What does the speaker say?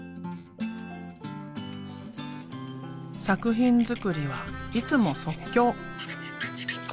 作品作りはいつも即興。